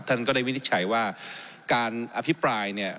ท่านก็ได้วินิจฉัยว่าการอภิปรายเนี่ย